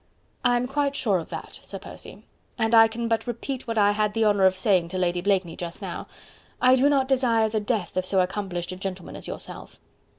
"I am quite sure of that, Sir Percy and I can but repeat what I had the honour of saying to Lady Blakeney just now I do not desire the death of so accomplished a gentleman as yourself."